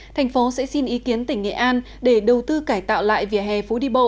thành phố sẽ xin ý kiến tỉnh nghệ an để đầu tư cải tạo lại vỉa hè phú đi bộ